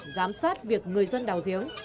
giám sát việc người dân đào giếng